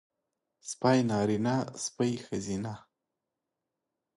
سپی نارينه سپۍ ښځينۀ